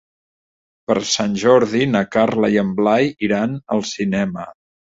Per Sant Jordi na Carla i en Blai iran al cinema.